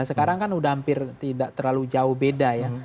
sekarang kan sudah hampir tidak terlalu jauh beda ya